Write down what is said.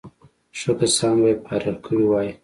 ښه کسان به یې فارغ کړي وای.